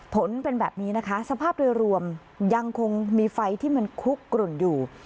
ผลเป็นแบบนี้นะคะสภาพโดยรวมยังคงมีไฟที่มันคุกกลุ่นอยู่